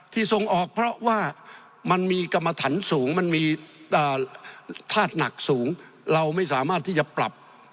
ส่งออกเพราะว่ามันมีกรรมฐานสูงมันมีธาตุหนักสูงเราไม่สามารถที่จะปรับ